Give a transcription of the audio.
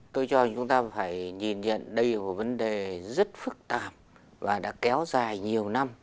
tôi cho chúng ta phải nhìn nhận đây là một vấn đề rất phức tạp và đã kéo dài nhiều năm